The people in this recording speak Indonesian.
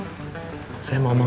waalaikumsalam kang dadang